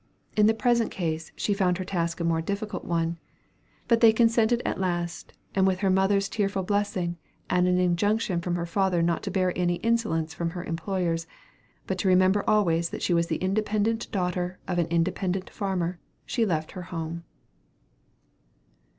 In the present case she found her task a more difficult one. But they consented at last; and with her mother's tearful blessing, and an injunction from her father not to bear any insolence from her employers, but to remember always that she was the independent daughter of an independent farmer, she left her home.